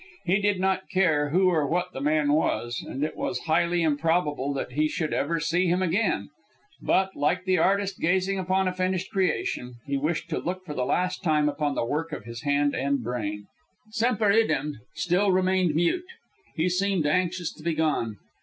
He did not care who or what the man was, and it was highly improbable that he should ever see him again; but, like the artist gazing upon a finished creation, he wished to look for the last time upon the work of his hand and brain. Semper Idem still remained mute. He seemed anxious to be gone.